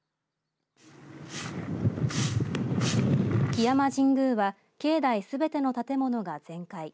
木山神宮は境内すべての建物が全壊。